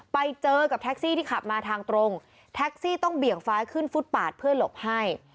ไปเจอกับแท็กซี่ที่ขับมาทางตรงแท็กซี่ต้องเบี่ยงซ้ายขึ้นฟุตปาดเพื่อหลบให้